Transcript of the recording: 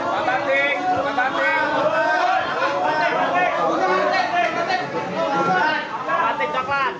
pak patik pak patik